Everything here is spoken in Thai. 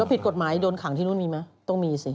ผิดกฎหมายโดนขังที่นู่นมีไหมต้องมีสิ